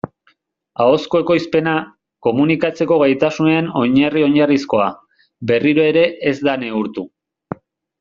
Ahozko ekoizpena, komunikatzeko gaitasunean oinarri-oinarrizkoa, berriro ere ez da neurtu.